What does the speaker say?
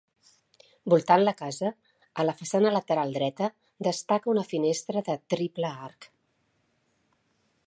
Voltant la casa, a la façana lateral dreta destaca una finestra de triple arc.